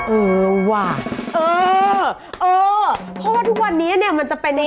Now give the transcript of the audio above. เออว่ะเออเออเพราะว่าทุกวันนี้เนี่ยมันจะเป็นใน